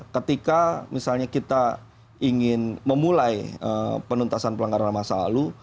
ketika misalnya kita ingin memulai penuntasan pelanggaran masa lalu